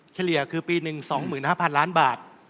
เฉลี่ยคือปี๑๒๕๐๐ล้านบาท